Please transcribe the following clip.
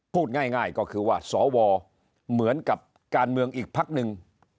พูดง่ายก็คือว่าสวเหมือนกับการเมืองอีกพักหนึ่ง